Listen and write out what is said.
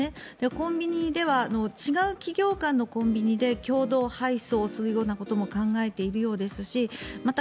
コンビニでは違う企業間のコンビニで共同配送をすることも考えているようですしまた